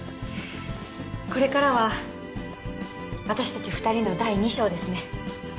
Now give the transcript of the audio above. これからは私達二人の第二章ですね